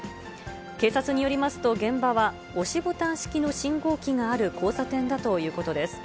警察によりますと、現場は押しボタン式の信号機がある交差点だということです。